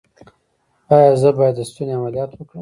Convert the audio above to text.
ایا زه باید د ستوني عملیات وکړم؟